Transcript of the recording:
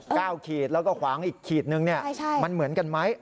ขีดแล้วก็ขวางอีกขีดนึงเนี่ยมันเหมือนกันไหม